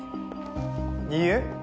いいえ。